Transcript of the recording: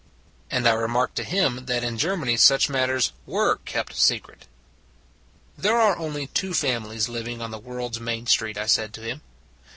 And I remarked to him that in Germany such matters were kept secret. There are only two families living on the world s Main Street, I said to him.